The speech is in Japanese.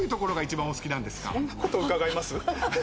そんなこと伺います？